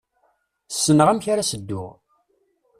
Ssneɣ amek ara s-dduɣ.